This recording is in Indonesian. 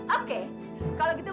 oke kalau gitu